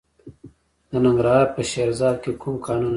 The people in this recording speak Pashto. د ننګرهار په شیرزاد کې کوم کانونه دي؟